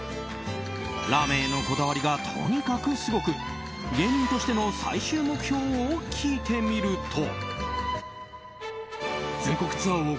ラーメンへのこだわりがとにかくすごく芸人としての最終目標を聞いてみると。